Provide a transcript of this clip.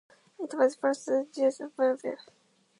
It was part of the Dispensary Movement.